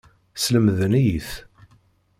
Slemden-iyi-t.